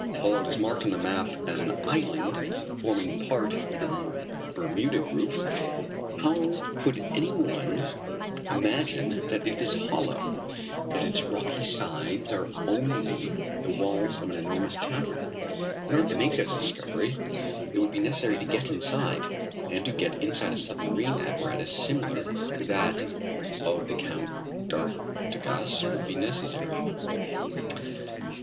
Although it is marked on the map as an island forming part of the Bermuda group, how could any one imagine that it is hollow, that its rocky sides are only the walls of an enormous cavern? In order to make such a discovery it would be necessary to get inside, and to get inside a submarine apparatus similar to that of the Count d'Artigas would be necessary.